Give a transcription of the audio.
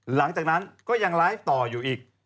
หลังจากนั้นก็ยังไลฟ์ต่ออยู่อีก